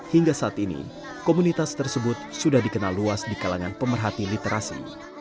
hingga saat ini komunitas tersebut sudah dikenal luas di kalangan pemerhati literasi